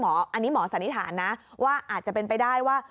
อันนี้หมอสันนิษฐานนะว่าอาจจะเป็นไปได้ว่า